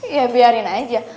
ya biarin aja